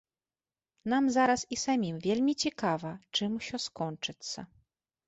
Нам зараз і самім вельмі цікава, чым усё скончыцца.